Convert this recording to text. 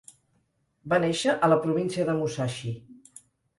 Va néixer a la província de Musashi.